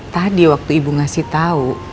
tadi waktu ibu ngasih tahu